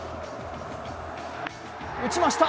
打ちました！